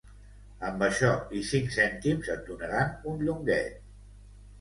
Amb això i cinc cèntims et donaran un llonguet.